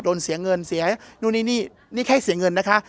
เสียเงินเสียนู่นนี่นี่แค่เสียเงินนะคะ